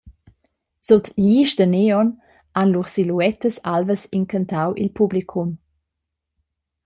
Sut glisch da neon han lur siluettas alvas incantau il publicum.